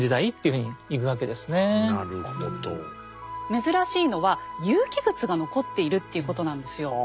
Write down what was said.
珍しいのは有機物が残っているっていうことなんですよ。